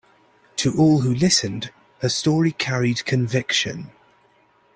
To all who listened, her story carried conviction.